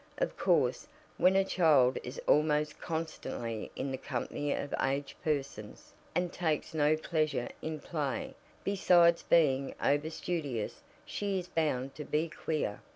Of course, when a child is almost constantly in the company of aged persons, and takes no pleasure in play, besides being over studious, she is bound to be "queer."